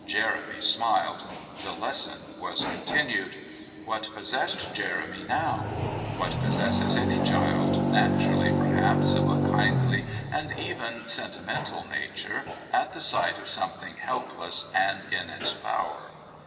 Jeremy smiled. The lesson was continued. What possessed Jeremy now? What possesses any child, naturally perhaps, of a kindly and even sentimental nature at the sight of something helpless and in its power?